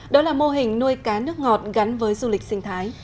đó là mô hình nuôi cá nước ngọt gắn với du lịch sinh thái